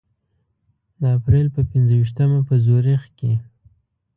د اپریل په پنځه ویشتمه په زوریخ کې.